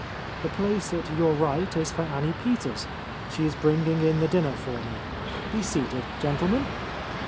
The place at your right is for Annie Peters, She is bringing in the dinner for me. Be seated, gentlemen!"